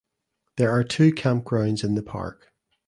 There are two campgrounds in the park.